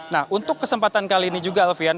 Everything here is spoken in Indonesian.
nah untuk kesempatan kali ini juga alfian